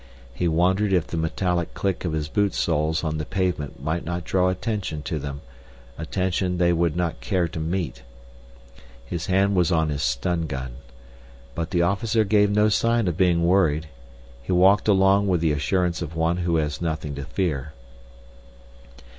He wondered if the metallic click of his boot soles on the pavement might not draw attention to them, attention they would not care to meet. His hand was on his stun gun. But the officer gave no sign of being worried; he walked along with the assurance of one who has nothing to fear.